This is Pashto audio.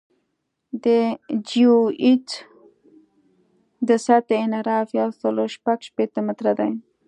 د جیوئید د سطحې انحراف یو سل شپږ شپېته متره دی